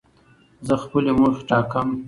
زه خپلي موخي ټاکم.